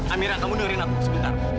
amirah kamu nurin aku sebentar